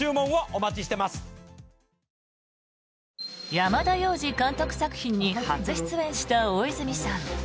山田洋次監督作品に初出演した大泉さん。